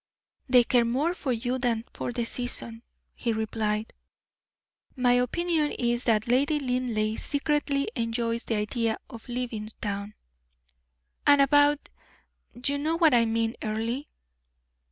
"They care more for you than for the season," he replied. "My opinion is, that Lady Linleigh secretly enjoys the idea of leaving town." "And about you know what I mean, Earle."